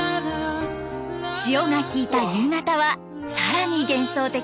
潮が引いた夕方は更に幻想的。